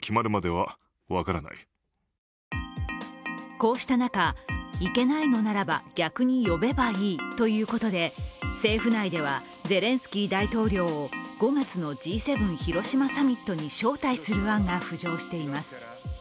こうした中、行けないのならば逆に呼べばいいということで政府内では、ゼレンスキー大統領を５月のＧ７広島サミットに招待する案が浮上しています。